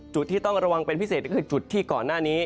จุดที่ต้องระวังเป็นพิเศษก็คือจุดที่ก่อนหน้านี้